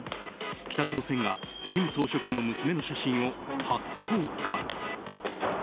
北朝鮮が金総書記の娘の写真を初公開。